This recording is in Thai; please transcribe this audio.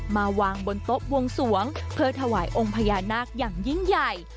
มาวางบนโต๊ะบวงสวงเพื่อถวายองค์พญานาคอย่างยิ่งใหญ่